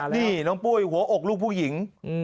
นี่น้องปุ้ยหัวอกลูกผู้หญิง